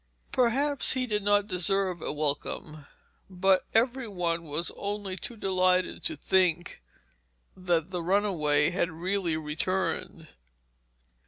Perhaps he did not deserve a welcome, but every one was only too delighted to think that the runaway had really returned.